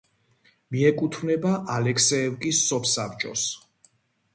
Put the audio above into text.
მიეკუთვნება ალექსეევკის სოფსაბჭოს.